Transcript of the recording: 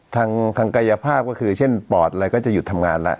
ทางกายภาพก็คือเช่นปอดอะไรก็จะหยุดทำงานแล้ว